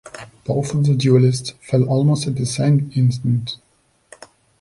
Both of the duelists fell almost at the same instant.